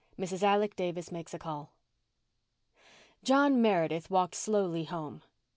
MRS. ALEC DAVIS MAKES A CALL John Meredith walked slowly home.